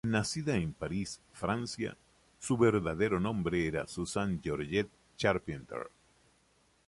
Nacida en París, Francia, su verdadero nombre era Suzanne Georgette Charpentier.